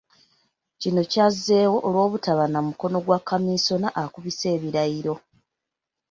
Kino kyazzeewo olw'obutaba na mukono gwa Kamisona akubisa ebirayiro.